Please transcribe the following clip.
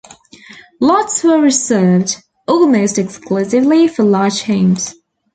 Lots were reserved, almost exclusively for large homes.